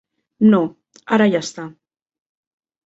No, ara ja està.